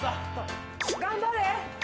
頑張れ！